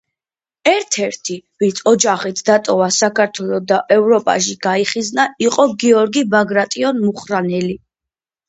ერთ-ერთი, ვინც ოჯახით დატოვა საქართველო და ევროპაში გაიხიზნა, იყო გიორგი ბაგრატიონ-მუხრანელი.